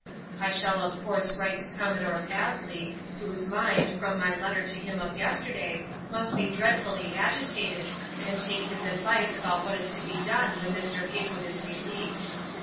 I shall of course write to Commodore Pasley, whose mind, from my letter to him of yesterday, must be dreadfully agitated, and take his advice about what is to be done when Mr. Heywood is released.